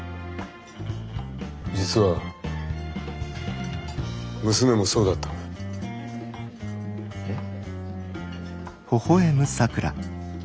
実は娘もそうだったんだ。えっ？